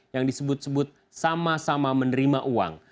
yang disebut sebut sama sama menerima uang